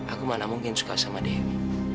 aku mana mungkin suka sama dewi